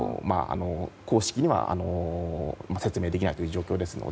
公式には説明できない状況です。